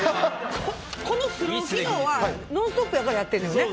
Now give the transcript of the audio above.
このスロー機能は「ノンストップ！」やからやってんのよね。